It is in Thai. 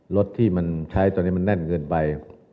รถที่มันใช้ตอนนี้มันแน่นเกินไป